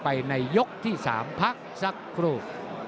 ในยกที่๓พักสักครู่